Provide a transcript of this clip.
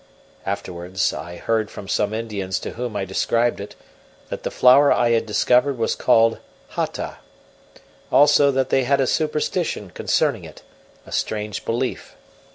Afterwards I heard from some Indians to whom I described it that the flower I had discovered was called Hata; also that they had a superstition concerning it a strange belief.